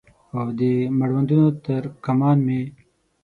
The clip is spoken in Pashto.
او د مړوندونو تر کمان مې